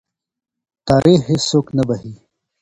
تاریخ هېڅوک نه بخښي.